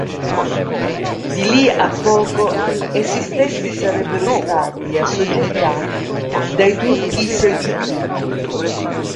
Di lì a poco essi stessi sarebbero stati assoggettati dai turchi Selgiuchidi.